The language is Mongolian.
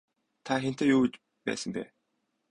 Та хэнтэй юу хийж байсан бэ?